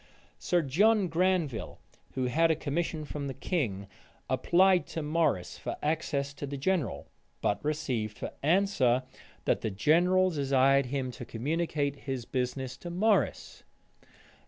Sir John Granville, who had a commission from the king, applied to Morrice for access to the general; but received for answer, that the general desired him to communicate his business to Morrice.